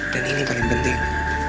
dan ini paling penting